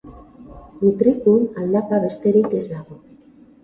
Mutrikun aldapa besterik ez dago.